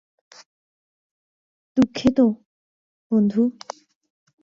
দুঃখিত, বন্ধু।